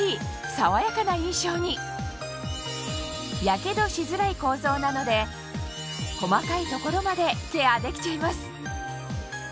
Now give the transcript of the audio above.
爽やかな印象に火傷しづらい構造なので細かい所までケアできちゃいます